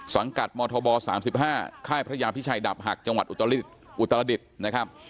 สังกัดมธบ๓๕ค่ายพระยาพิชัยดาบหักจังหวัดอุตรดิษฐ์นะครับ